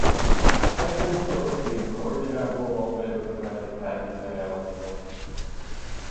As in "Bilski", the Court did not rule all business-method patents ineligible.